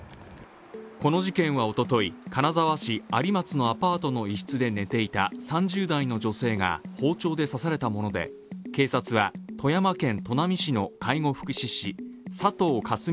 この事件はおととい、金沢市有松のアパートの一室で寝ていた３０代の女性が包丁で刺されたもので警察は富山県砺波市の介護福祉士佐藤果純